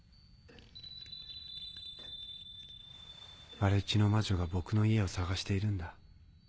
荒地の魔女が僕の家を捜しているんだ。